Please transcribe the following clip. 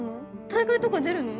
大会とか出るの？